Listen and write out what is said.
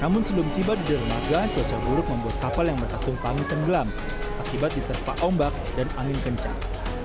namun sebelum tiba di dermaga cuaca buruk membuat kapal yang berkatung pamit tenggelam akibat diterpak ombak dan angin kencang